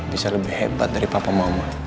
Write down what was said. bisa lebih hebat dari papa mama